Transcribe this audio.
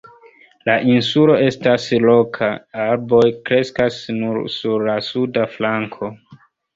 La insulo estas roka, arboj kreskas nur sur la suda flanko.